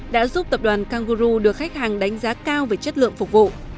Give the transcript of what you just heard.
đã giúp tập đoàn kangeru được khách hàng đánh giá cao về chất lượng phục vụ